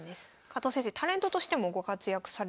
加藤先生タレントとしてもご活躍されております。